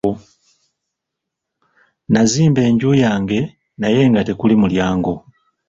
Nazimba enju yange naye nga tekuli mulyango.